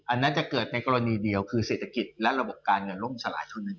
อันนั้นจะเกิดในกรณีเดียวคือเศรษฐกิจและระบบการเงินล่มสลายทุนหนึ่ง